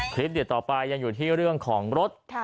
เด็ดต่อไปยังอยู่ที่เรื่องของรถ